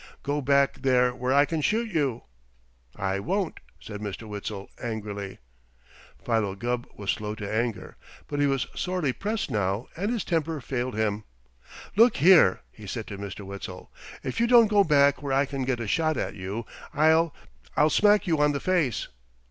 Go back there where I can shoot you." "I won't!" said Mr. Witzel angrily. Philo Gubb was slow to anger, but he was sorely pressed now, and his temper failed him. "Look here," he said to Mr. Witzel. "If you don't go back where I can get a shot at you, I'll I'll smack you on the face."